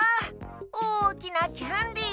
おおきなキャンディー。